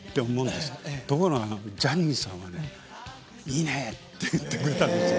ところがジャニーさんはね。って言ってくれたんですよ。